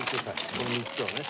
この３つをね。